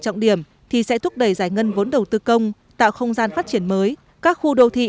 trọng điểm thì sẽ thúc đẩy giải ngân vốn đầu tư công tạo không gian phát triển mới các khu đô thị